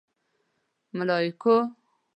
_ملايکو!